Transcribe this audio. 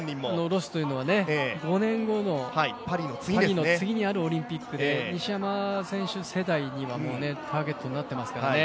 ロスも５年後の次にあるオリンピックで西山選手世代にはターゲットになっていますからね